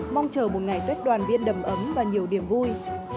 mong chờ một ngày tuyết đoàn viên đầm ấm và nhiều điểm vui